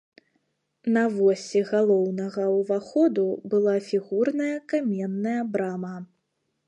На восі галоўнага ўваходу была фігурная каменная брама.